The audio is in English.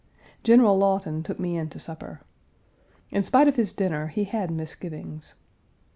General Lawton took me in to supper. In spite of his dinner he had misgivings.